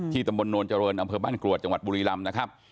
ตำบลโนลเจริญอำเภอบ้านกรวดจังหวัดบุรีลำนะครับ